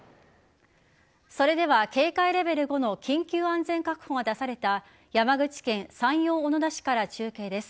それでは警戒レベル５の緊急安全確保が出された山口県山陽小野田市から中継です。